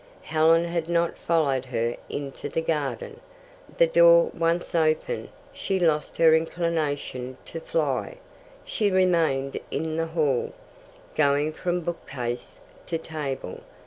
Helen had not followed her into the garden. The door once open, she lost her inclination to fly. She remained in the hall, going from bookcase to table.